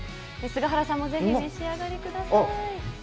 菅原さんもぜひお召し上がりください。